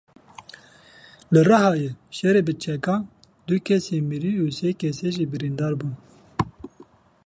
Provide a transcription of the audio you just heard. Li Rihayê şerê bi çekan, du kesek mirin û sê kes jî birîndar bûn.